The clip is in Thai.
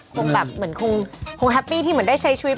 คงแบบเหมือนคงแฮปปี้ที่เหมือนได้ใช้ชีวิต